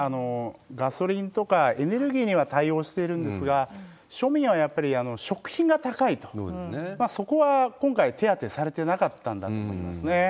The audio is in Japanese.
ガソリンとかエネルギーには対応してるんですが、庶民はやっぱり食品が高いと、そこは今回、手当されてなかったんだと思いますね。